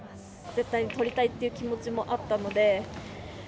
絶対にとりたいって気持ちもあったので。